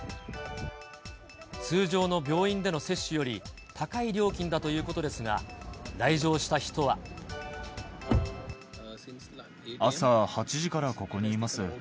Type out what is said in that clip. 通常の病院での接種より高い料金だということですが、来場した人朝８時からここにいます。